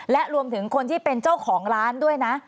และรวมถึงคนที่เป็นเจ้าของร้านด้วยนะ